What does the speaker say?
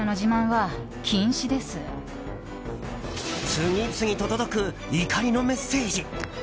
次々と届く怒りのメッセージ。